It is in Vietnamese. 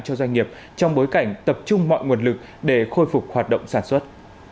cho doanh nghiệp trong bối cảnh tập trung mọi nguồn lực để khôi phục hoạt động sản xuất